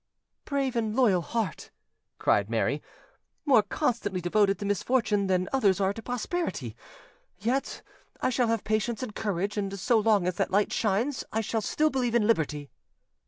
"Brave and loyal heart!" cried Mary, "more constantly devoted to misfortune than others are to prosperity! Yes, I shall have patience and courage, and so long as that light shines I shall still believe in liberty."